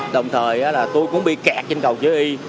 đồng thời là tôi cũng bị kẹt trên cầu chứa y